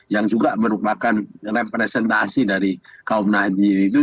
yang juga merupakan representasi dari kaum nahid jiri itu